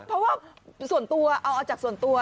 เพราะว่าส่วนตัวเอาจากส่วนตัว